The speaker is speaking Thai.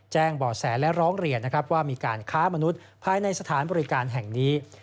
แจ้งบ่อแสและร้องเรียนนะครับว่ามีการค้ามนุษย์ภายในสถานบริการแห่งนี้